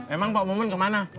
emang pak mumun ke mana